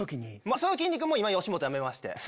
そのきんに君も今吉本辞めまして。